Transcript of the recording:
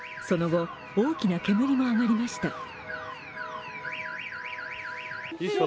その後、大きな煙が上がりました。